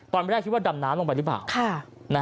ตอนแรกคิดว่าดำน้ำลงไปหรือเปล่า